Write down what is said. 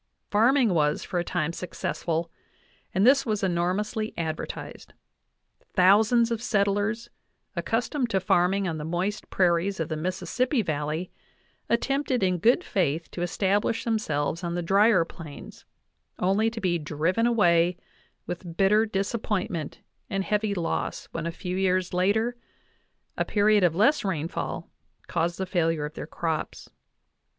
Farming was for a time successful, and this was enormously advertised. Thou sands of settlers, accustomed to farming on the moist prairies of the Mississippi Valley, attempted in good faith to establish themselves on the drier Plains, only to be driven away with bitter disappointment and heavy loss when a few years later a period of less rainfall caused the failure of their crops.